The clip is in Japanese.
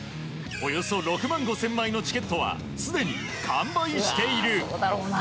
およそ６万５０００枚のチケットはすでに完売している。